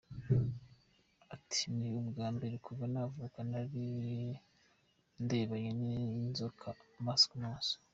Ati “Ni ubwa mbere kuva navuka nari ndebanye n’inzoka amaso ku maso.